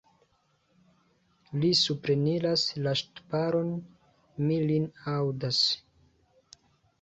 Li supreniras la ŝtuparon: mi lin aŭdas.